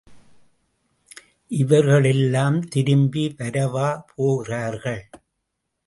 இவர்களெல்லாம் திரும்பி வரவா போகிறார்கள்?